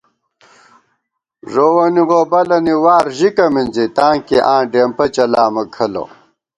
ݫووَنی غوبَلَنی وار ژِکّہ مِنزی ، تاں کی آں ڈېمپہ چلامہ کھلہ